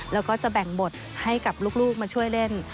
แล้วก็จะแบ่งบทให้กับลูกมาช่วยเล่น